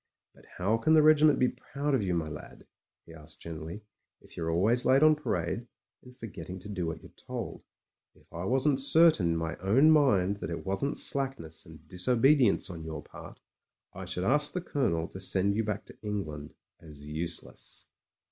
"But how can the regiment be proud of you, my lad," he asked gently, "if you're always late on parade, and forgetting to do what you're told? If I wasn't certain in my own mind that it wasn't slackness and disobedience on your part, I should ask the Colonel to send you back to England as useless."